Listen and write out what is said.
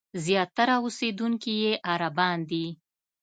زیاتره اوسېدونکي یې عربان دي.